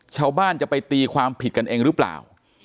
ชาวบ้านจะไปตีความผิดกันเองหรือเปล่า